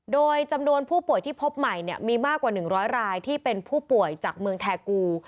โดยจำนวนผู้ป่วยที่พบใหม่มีมากกว่า๑๐๐รายที่เป็นผู้ป่วยจากเมืองแทกู